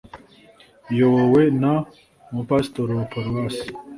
iyobowe n umupasitoro wa paruwase